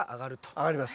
上がります。